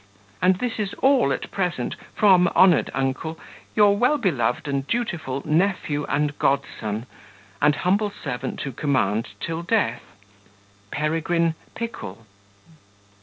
And this is all at present from, honoured uncle, your well beloved and dutiful nephew and godson, and humble servant to command till death, "Peregrine Pickle."